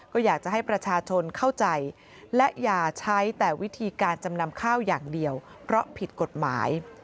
ก็อยากจะให้ประชาชนเข้าใจและอย่าใช้แต่วิธีการจำนำข้าวอย่างเดียวเพราะผิดกฎหมาย